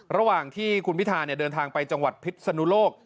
ระหว่างที่คุณพิธาเดินทางไปจังหวัดพิษนุโลก